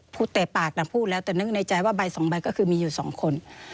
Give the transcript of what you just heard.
แต่ปากนางพูดแล้วแต่นึกในใจว่าใบสองใบก็คือมีอยู่สองคน